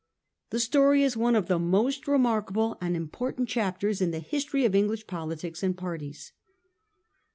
The story is one of the most remarkable and impor tant chapters in the history of English politics and parties.